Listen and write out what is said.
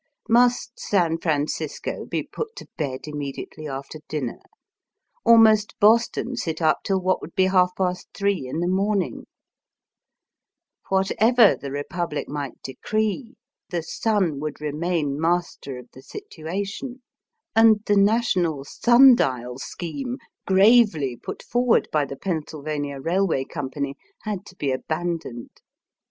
Must San Francisco be put to bed immediately after dinner, or must Boston sit up till what would be half past three in the morning ? Whatever the Eepublic might decree, the sun would remain master of the situation; and the national sun dial scheme, gravely put Digitized by VjOOQIC ON THE BAILWAT CARS. 161 forward by the Pennsylvania Eailway Com pany, had to be abandoned.